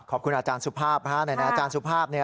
ขอบคุณอาจารย์สุภาพไหนอาจารย์สุภาพ